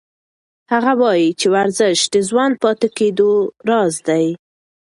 هغه وایي چې ورزش د ځوان پاتې کېدو راز دی.